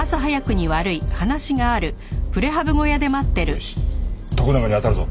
よし徳永に当たるぞ。